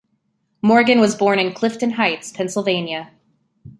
Morgan was born in Clifton Heights, Pennsylvania.